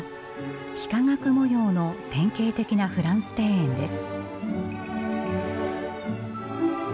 幾何学模様の典型的なフランス庭園です。